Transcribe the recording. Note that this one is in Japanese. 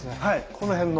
この辺の。